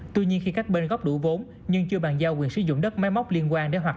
tuy nhiên khi các bên góp đủ vốn nhưng chưa bàn giao quyền sử dụng đất máy móc liên quan để hoạt